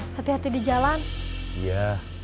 setiap di jalan ya